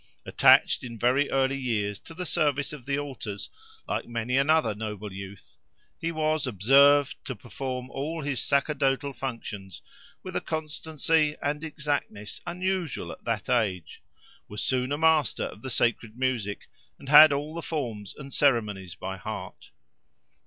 Attached in very early years to the service of the altars, like many another noble youth, he was "observed to perform all his sacerdotal functions with a constancy and exactness unusual at that age; was soon a master of the sacred music; and had all the forms and ceremonies by heart."